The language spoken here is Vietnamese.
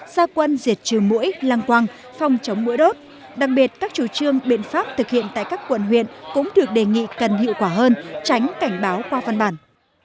gia quân diệt trừ mũi lăng quang phong chống mũi đốt đặc biệt các chủ trương biện pháp thực hiện tại các quận huyện cũng được đề nghị cần hiệu quả hơn tránh cảnh báo qua văn bản